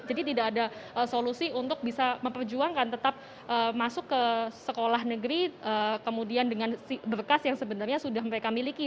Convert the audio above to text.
jadi tidak ada solusi untuk bisa memperjuangkan tetap masuk ke sekolah negeri kemudian dengan berkas yang sebenarnya sudah mereka miliki